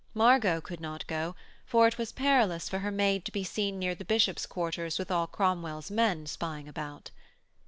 Margot could not go, for it was perilous for her maid to be seen near the bishop's quarters with all Cromwell's men spying about.